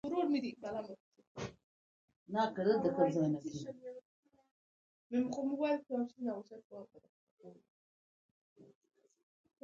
قدرت د ژوند د دوام ضامن دی.